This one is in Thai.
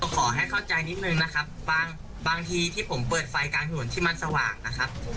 ขอให้เข้าใจนิดนึงนะครับบางทีที่ผมเปิดไฟกลางถนนที่มันสว่างนะครับ